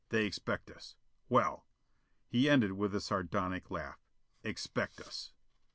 They expect us. Well," he ended with a sardonic laugh, "expect us."